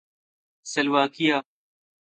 Slovakia